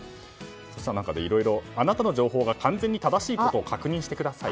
そうしたらいろいろあなたの情報が完全に正しいことを確認してください。